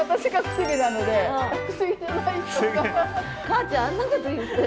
母ちゃんあんなこと言ってるよ。